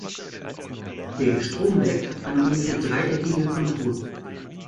Der Stromberg hat eine ungefähr dreieckige Kontur.